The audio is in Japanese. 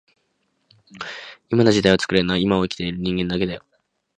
今の時代を作れるのは今を生きている人間だけだよ